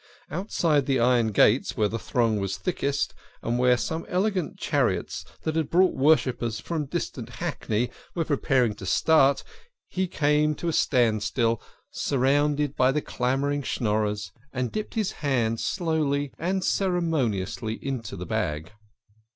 Outside the iron gates, where the throng was thickest, and where some elegant chariots that had brought worshippers from distant Hackney were preparing to start, he came to a standstill, surrounded by clamouring Schnorrers, and dipped his hand slowly and ceremoniously into the bag.